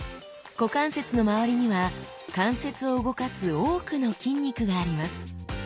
股関節のまわりには関節を動かす多くの筋肉があります。